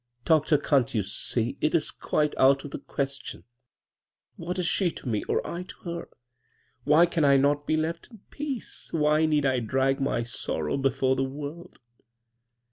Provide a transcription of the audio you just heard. ' Doctor, can't you see ? It is quite out of he question 1 What is she to me or I o her? Why can I not be left in peace? Yhy need I drag my sorrow before the Torld?"